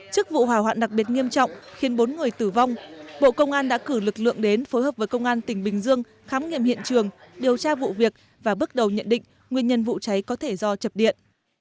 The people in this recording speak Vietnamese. trước vụ hỏa hoạn đặc biệt nghiêm trọng khiến bốn người tử vong bộ công an đã cử lực lượng đến phối hợp với công an tỉnh bình dương khám nghiệm hiện trường điều tra vụ việc và bước đầu nhận định nguyên nhân vụ cháy có thể do chập điện